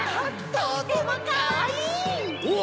とってもかわいい！わ！